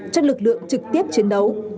cho lực lượng trực tiếp chiến đấu